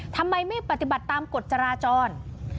ทำไมไม่ปฏิบัติตามกฎจราจร